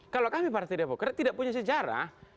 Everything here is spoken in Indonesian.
kalau kami partai demokrat tidak punya sejarah